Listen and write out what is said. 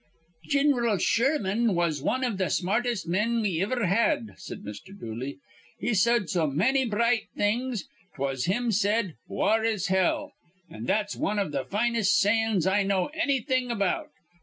"Gin'ral Sherman was wan iv th' smartest men we iver had," said Mr. Dooley. "He said so manny bright things. 'Twas him said, 'War is hell'; an' that's wan iv th' finest sayin's I know annything about.